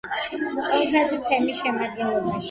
ჭონქაძის თემის შემადგენლობაში.